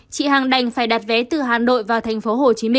chị hàng đành phải đặt vé từ hà nội vào tp hcm